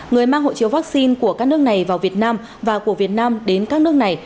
người mang hộ chiếu vaccine của các nước này vào việt nam và của việt nam đến các nước này